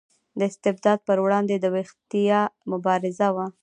د استبداد پر وړاندې د ویښتیا مبارزه وه.